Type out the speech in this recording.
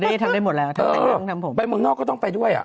นี่ทำได้หมดแล้วไปเมืองนอกก็ต้องไปด้วยอ่ะ